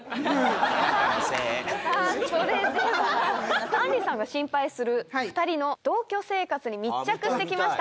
さあそれではあんりさんがシンパイする２人の同居生活に密着してきました。